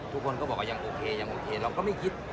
ทุกคนก็บอกยังโอเคเราก็ไม่คิด